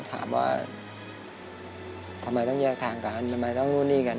ถามว่าทำไมต้องแยกทางกันทำไมต้องนู่นนี่กัน